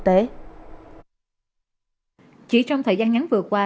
thực tế chỉ trong thời gian nhắn vừa qua